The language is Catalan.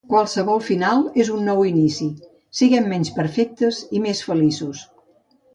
Qualsevol final és un nou inici. Siguem menys perfectes i més feliços.